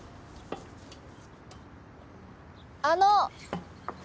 あの！